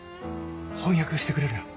翻訳してくれるよね。